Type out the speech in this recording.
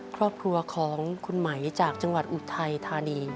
ครอบครัวของคุณไหมจากจังหวัดอุทัยธานี